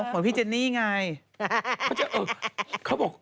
เดี๋ยว